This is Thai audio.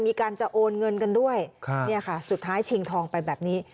มีการจะโอนเงินกันด้วยเนี่ยค่ะสุดท้ายชิงทองไปแบบนี้